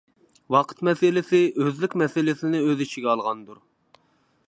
ۋاقىت مەسىلىسى ئۆزلۈك مەسىلىسىنى ئۆز ئىچىگە ئالغاندۇر.